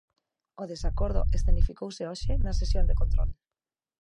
O desacordo escenificouse hoxe na sesión de control.